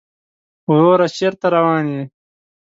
وروره چېرته روان يې؟